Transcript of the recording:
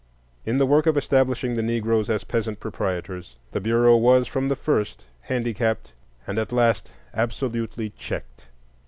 In the work of establishing the Negroes as peasant proprietors, the Bureau was from the first handicapped and at last absolutely checked.